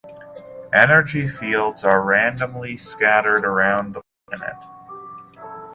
Energy fields are randomly scattered around the planet.